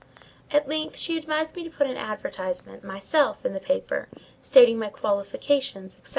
At length, she advised me to put an advertisement, myself, in the paper, stating my qualifications, &c.